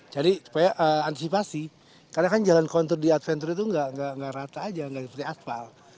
jadi supaya antisipasi karena kan jalan kontur di adventure itu gak rata aja gak seperti asfal